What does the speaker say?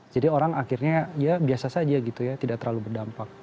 jadi orang akhirnya biasa saja tidak terlalu berdampak